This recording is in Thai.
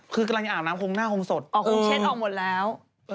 คือกำลังจะอาบน้ำคงหน้าคงสดออกคงเช็ดออกหมดแล้ว